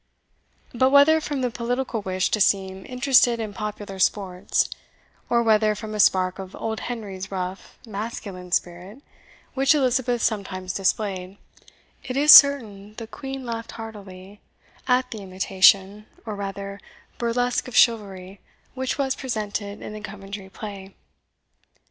But whether from the political wish to seem interested in popular sports, or whether from a spark of old Henry's rough, masculine spirit, which Elizabeth sometimes displayed, it is certain the Queen laughed heartily at the imitation, or rather burlesque, of chivalry which was presented in the Coventry play.